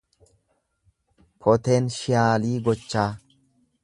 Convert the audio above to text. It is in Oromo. poteenshiyaalii gochaa